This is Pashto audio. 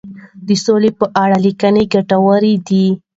د سولي په اړه لیکنې ګټورې دي.